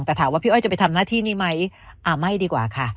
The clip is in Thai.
แต่ถามว่าพี่อ้อยจะไปทำหน้าที่นี้ไหมไม่ดีกว่าค่ะ